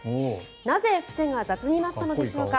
なぜ伏せが雑になったのでしょうか。